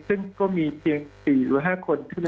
ซึ่งก็มีเพียง๔หรือ๕คนทั่วเอง